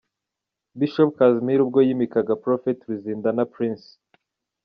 Bishop Casmir ubwo yimikaga Prophet Ruzindana Prince.